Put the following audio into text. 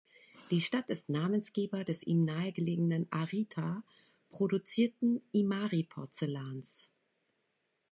Die Stadt ist Namensgeber des im nahegelegenen Arita produzierten Imari-Porzellans.